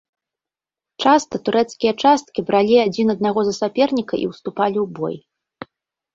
Часта турэцкія часткі бралі адзін аднаго за саперніка і ўступалі ў бой.